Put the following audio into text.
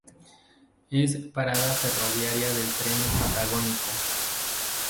Es parada ferroviaria del Tren Patagónico.